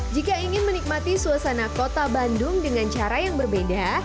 jika ingin menikmati suasana kota bandung dengan cara yang berbeda